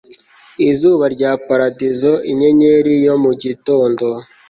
Izuba rya paradizo inyenyeri yo mu gitondo